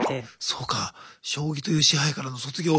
そうか将棋という支配からの卒業。